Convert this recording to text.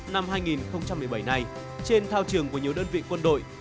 năm hai nghìn một mươi bảy này trên thao trường của nhiều đơn vị quân đội